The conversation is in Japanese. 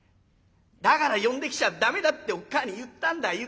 だから呼んできちゃ駄目だっておっ母ぁに言ったんだ。